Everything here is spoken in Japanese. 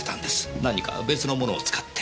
何か別のものを使って。